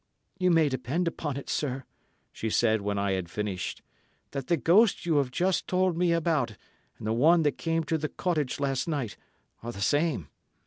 "You may depend upon it, sir," she said when I had finished, "that the ghost you have just told me about and the one that came to the cottage last night are the same.